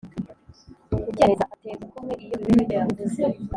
Ubyemeza atera igikumwe iyo bihuye n’ ibyo yavuze